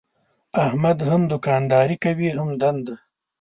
احمد هم دوکانداري کوي هم دنده.